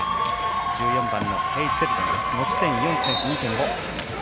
１４番のハイゼルデン持ち点２．５。